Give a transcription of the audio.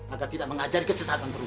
agar tidak mengajari kesesatan terus